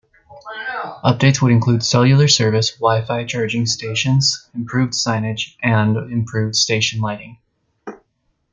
Updates would include cellular service, Wi-Fi, charging stations, improved signage, and improved station lighting.